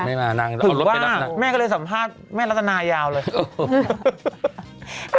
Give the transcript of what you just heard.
ไม่มานางเอารถไปรับนางถือว่าแม่ก็เลยสัมภาษณ์แม่ลักษณายาวเลย